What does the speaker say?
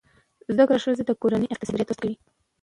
زده کړه ښځه د کورني اقتصاد مدیریت زده کوي.